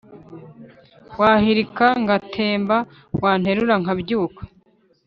Wahirika ngatemba Wanterura nkabyuka